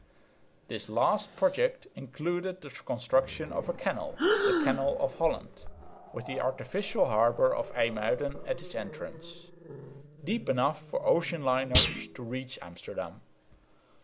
This last project included the construction of a canal, the Canal of Holland, with the artificial harbour of Ymuiden at its entrance, deep enough for ocean liners to reach Amsterdam.